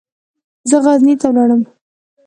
زه غزني ته ولاړم.